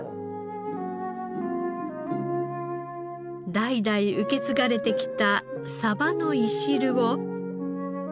代々受け継がれてきたサバのいしるを。